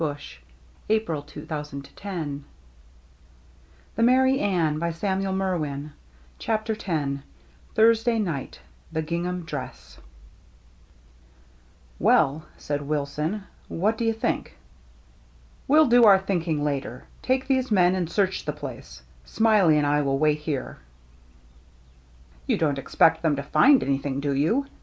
CHAPTER X THURSDAY NIGHT — THE GINGHAM DRESS CHAPTER X THURSDAY NIGHT — THE GINGHAM DRESS "TT7ELL," said Wilson, ''what do you W think?" " We*ll do our thinking later. Take these men and search the place. Smiley and I will wait here." *'You don't expect them to find anything, do you?"